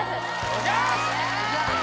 おじゃす！